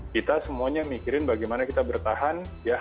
kita semuanya mikirin bagaimana kita bertahan ya hampir semuanya berhasil